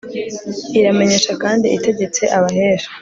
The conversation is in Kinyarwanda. iramenyesha kandi itegetse abahesha